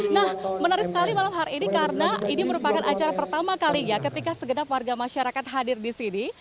nah menarik sekali malam hari ini karena ini merupakan acara pertama kalinya ketika segenap warga masyarakat hadir di sini